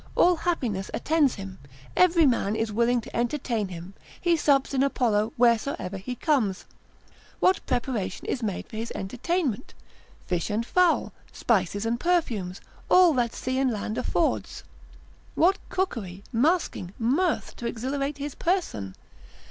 all happiness attends him, every man is willing to entertain him, he sups in Apollo wheresoever he comes; what preparation is made for his entertainment? fish and fowl, spices and perfumes, all that sea and land affords. What cookery, masking, mirth to exhilarate his person?